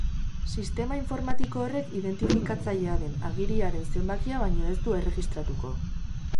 Sistema informatiko horrek identifikatzailea den agiriaren zenbakia baino ez du erregistratuko.